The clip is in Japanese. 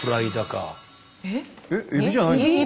エビじゃないんですか？